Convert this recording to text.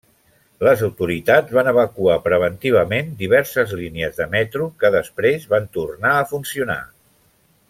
Les autoritats van evacuar preventivament diverses línies de metro, que després van tornar a funcionar.